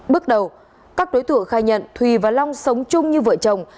bước đầu các đối tượng khai nhận thùy và long sống chung như vợ chồng